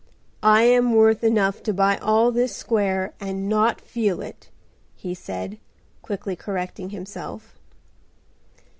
"I am worth enough to buy all this square and not feel it," he said, quickly correcting himself.